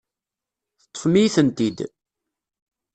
Teṭṭfem-iyi-tent-id.